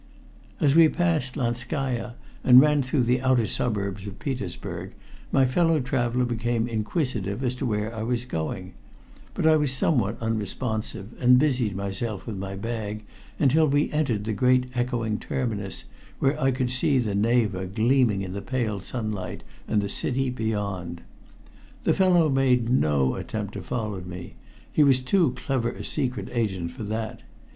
As we passed Lanskaya, and ran through the outer suburbs of Petersburg, my fellow traveler became inquisitive as to where I was going, but I was somewhat unresponsive, and busied myself with my bag until we entered the great echoing terminus whence I could see the Neva gleaming in the pale sunlight and the city beyond. The fellow made no attempt to follow me he was too clever a secret agent for that.